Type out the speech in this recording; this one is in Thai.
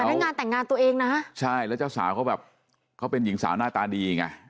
นั่นงานแต่งงานตัวเองนะใช่แล้วเจ้าสาวเขาแบบเขาเป็นหญิงสาวหน้าตาดีไง